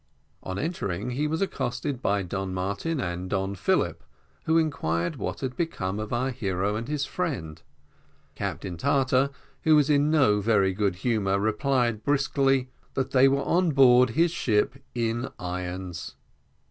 On his entering he was accosted by Don Martin and Don Philip, who inquired what had become of our hero and his friend. Captain Tartar, who was in no very good humour, replied briskly, "that they were on board his ship in irons."